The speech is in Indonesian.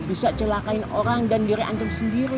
bisa celakain orang dan diri antum sendiri